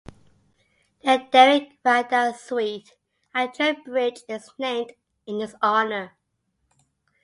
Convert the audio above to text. The 'Derek Randall Suite' at Trent Bridge is named in his honour.